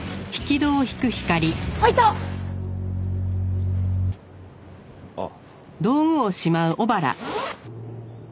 開いた！あっ。